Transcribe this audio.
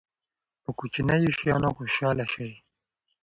په کوچنیو شیانو خوشحاله شئ.